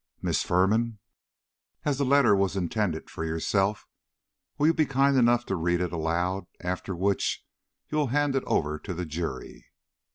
Miss Firman, as the letter was intended for yourself, will you be kind enough to read it aloud, after which you will hand it over to the jury."